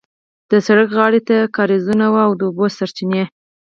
د سړک غاړې ته کارېزونه وو د اوبو سرچینې.